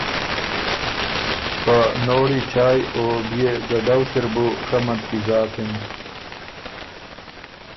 خه نوړی چایٛ او بيې ګډؤ کی ر بُو ڒمندکی زاکِن۔